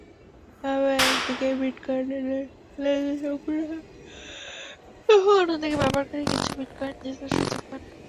এভাবে একদিকে বিটকয়েনের লেনদেন সম্পূর্ণ হয় এবং অন্যদিকে ব্যবহারকারী কিছু বিটকয়েন জেতার সুযোগ পান।